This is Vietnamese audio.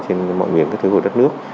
trên mọi nguyên các thứ của đất nước